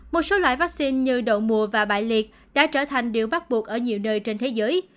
một số loại vaccine như đậu mùa và bại liệt đã trở thành điều bắt buộc ở nhiều nơi trên thế giới